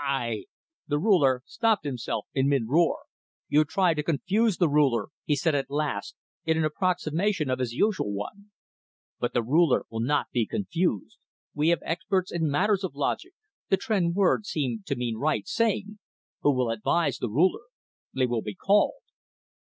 "I " The Ruler stopped himself in mid roar. "You try to confuse the Ruler," he said at last, in an approximation of his usual one. "But the Ruler will not be confused. We have experts in matters of logic" the Tr'en word seemed to mean right saying "who will advise the Ruler. They will be called."